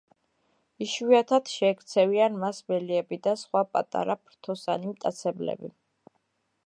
იშვიათად შეექცევიან მას მელიები და სხვა პატარა ფრთოსანი მტაცებლები.